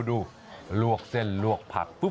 ดูลวกเส้นลวกผักปุ๊